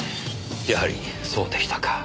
やはりそうでしたか。